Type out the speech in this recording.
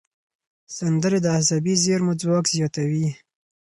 سندرې د عصبي زېرمو ځواک زیاتوي.